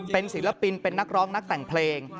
เป็นศิลปินเป็นนักร้องนักแต่งเพลง